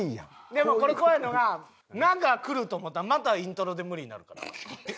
でもこれ怖いのが「な」がくると思ったらまたイントロで無理になるからな。